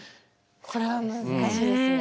これは難しいですね。